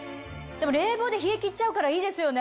でも冷房で冷え切っちゃうからいいですよね。